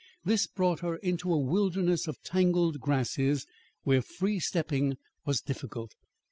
This brought her into a wilderness of tangled grasses where free stepping was difficult.